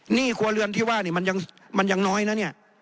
ห้วครัวเรือนที่ว่านี่มันยังน้อยนะเนี่ย